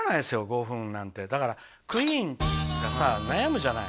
５分なんてだからＱＵＥＥＮがさ悩むじゃない？